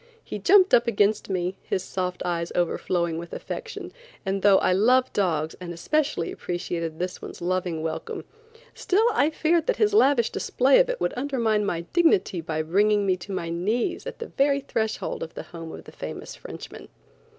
He jumped up against me, his soft eyes overflowing with affection, and though I love dogs and especially appreciated this one's loving welcome, still I feared that his lavish display of it would undermine my dignity by bringing me to my knees at the very threshold of the home of the famous Frenchman.